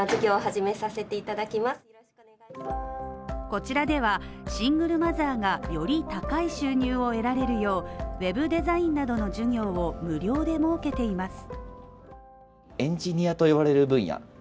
こちらではシングルマザーがより高い収入を得られるよう、ウェブデザインなどの授業を無料で設けています。